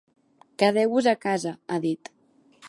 Quedeu-vos a casa, ha dit.